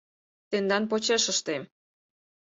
Тендан почеш ыштем.